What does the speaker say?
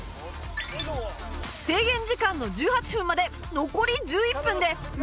制限時間の１８分まで残り１１分で２巡目に突入